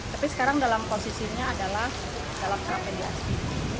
tapi sekarang dalam posisinya adalah dalam terapidiasi